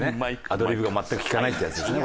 アドリブが全く利かないってやつですね